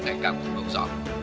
để càng cung cấp rõ